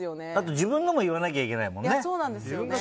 自分のも言わなきゃいけないもんね。